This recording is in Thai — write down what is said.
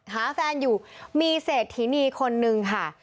หาแฟนอยู่มีเศรษฐินีคนนึงค่ะ